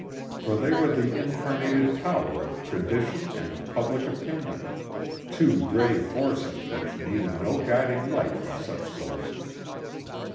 For they were the incarnated power of Tradition and of Public Opinion two grave forces which needed no guilding light from such sources.